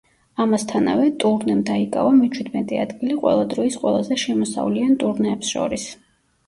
ამასთანავე, ტურნემ დაიკავა მეჩვიდმეტე ადგილი ყველა დროის ყველაზე შემოსავლიან ტურნეებს შორის.